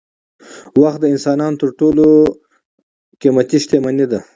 وخت د انسان تر ټولو قیمتي شتمني ده